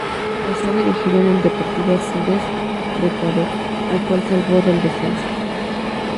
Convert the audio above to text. Pasó a dirigir en al Deportivo Azogues de Ecuador, al cual salvó del descenso.